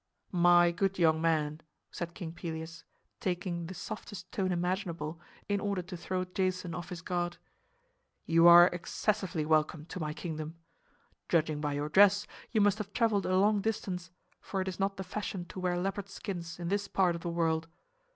"My good young man," said King Pelias, taking the softest tone imaginable in order to throw Jason off his guard, "you are excessively welcome to my kingdom. Judging by your dress, you must have traveled a long distance, for it is not the fashion to wear leopard skins in this part of the world.